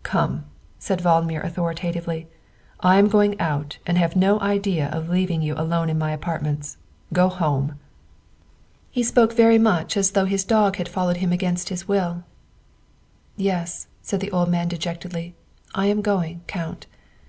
" Come," said Valdmir authoritatively, " I am going out and have no idea of leaving you alone in my apart ments. Go home." 234 THE WIFE OF He spoke very much as though his dog had followed him against his will. " Yes," said the old man dejectedly, "I'm going, Count."